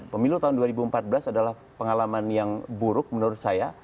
pemilu tahun dua ribu empat belas adalah pengalaman yang buruk menurut saya